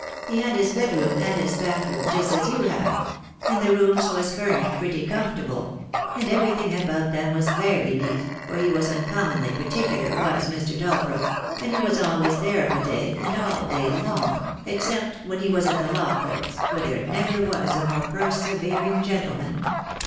He had his bedroom and his bath room, just as you have; and the rooms was furnished pretty comfortable, and 64 THE DAY WILL COME. everything about them was very neat, for he was uncom monly particular, was Mr. Dalbrook; and he was always there of a day, and all day long, except when he was at the law courts, for there never was a more persevering gentleman.